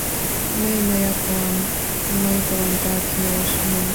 Мый моряк улам, мый тыланда кӱлеш лиям.